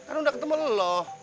kan udah ketemu lo